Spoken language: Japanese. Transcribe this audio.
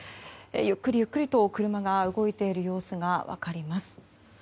ゆっくりゆっくりと車が動いている様子が分かります。